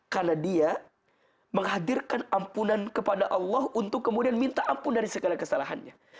karena dia menghadirkan ampunan kepada allah untuk kemudian minta ampun dari segala kesalahannya